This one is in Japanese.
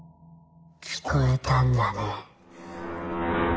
聞こえたんだね。